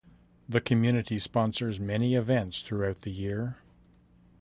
The community sponsors many events throughout the year.